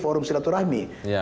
karena kita tetap berada di kmp